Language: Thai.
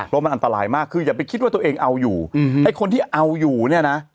เพราะมันอันตรายมากคืออย่าไปคิดว่าตัวเองเอาอยู่ไอ้คนที่เอาอยู่เนี่ยนะ